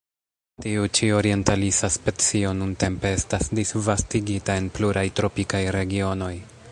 Tiu ĉi orientalisa specio nuntempe estas disvastigita en pluraj tropikaj regionoj.